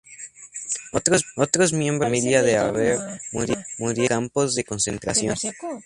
Otros miembros de la familia de Haber murieron en campos de concentración.